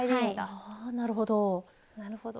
あなるほど。